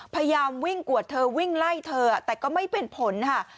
พยายามวิ่งกวดเธอวิ่งไล่เธอแต่ก็ไม่เป็นผลค่ะ